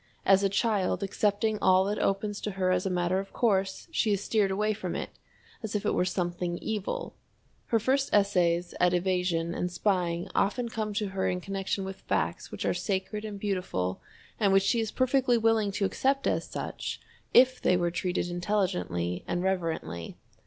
As a child accepting all that opens to her as a matter of course, she is steered away from it as if it were something evil. Her first essays at evasion and spying often come to her in connection with facts which are sacred and beautiful and which she is perfectly willing to accept as such if they were treated intelligently and reverently.